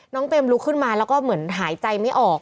เปมลุกขึ้นมาแล้วก็เหมือนหายใจไม่ออก